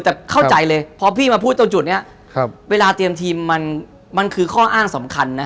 แต่เข้าใจเลยพอพี่มาพูดตรงจุดนี้เวลาเตรียมทีมมันมันคือข้ออ้างสำคัญนะ